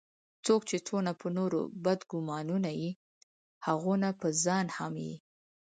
څوک چي څونه پر نورو بد ګومانه يي؛ هغونه پرځان هم يي.